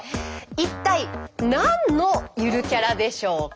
一体何のゆるキャラでしょうか？